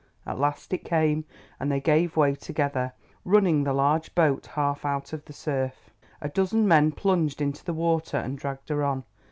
At last it came, and they gave way together, running the large boat half out of the surf. A dozen men plunged into the water and dragged her on.